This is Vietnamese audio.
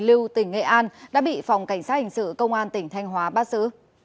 lưu tỉnh nghệ an đã bị phòng cảnh sát hình sự công an tỉnh thanh hóa bắt giữ